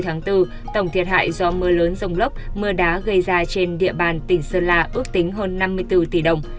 tháng bốn tổng thiệt hại do mưa lớn rồng lốc mưa đá gây ra trên địa bàn tỉnh sơn la ước tính hơn năm mươi bốn tỷ đồng